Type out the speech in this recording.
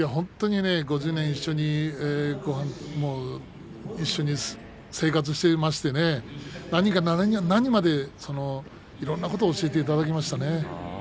５０年に一緒に生活をしていましてね何から何までいろんなことを教えていただきましたね。